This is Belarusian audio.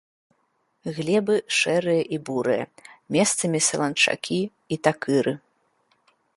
Глебы шэрыя і бурыя, месцамі саланчакі і такыры.